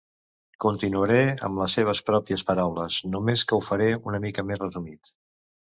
Continuaré amb les seves pròpies paraules, només que ho faré una mica més resumit.